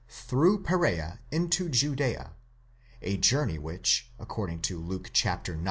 through Perea into Judea (a journey which, according to Luke ix.